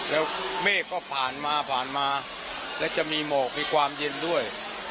แล้วเมฆก็ผ่านมาผ่านมาและจะมีหมอกมีความเย็นด้วย